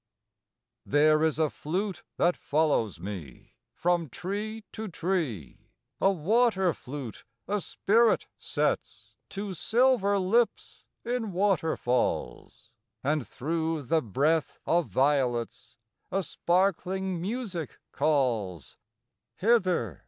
There is a flute that follows me From tree to tree: A water flute a spirit sets To silver lips in waterfalls, And through the breath of violets A sparkling music calls: "Hither!